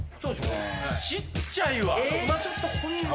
小っちゃいわ！